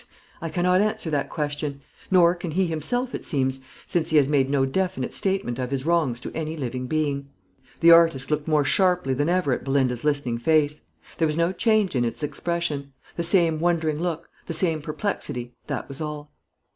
I cannot answer that question; nor can he himself, it seems, since he has made no definite statement of his wrongs to any living being." The artist looked more sharply than ever at Belinda's listening face. There was no change in its expression; the same wondering look, the same perplexity, that was all.